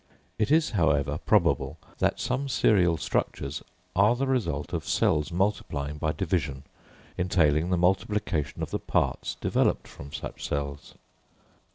It is, however, probable that some serial structures are the result of cells multiplying by division, entailing the multiplication of the parts developed from such cells.